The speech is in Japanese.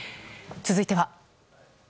続いては。